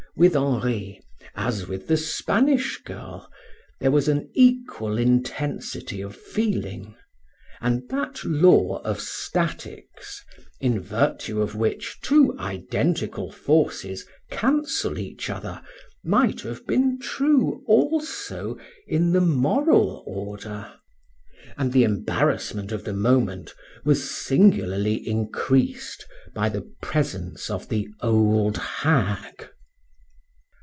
With Henri, as with the Spanish girl, there was an equal intensity of feeling; and that law of statics, in virtue of which two identical forces cancel each other, might have been true also in the moral order. And the embarrassment of the moment was singularly increased by the presence of the old hag.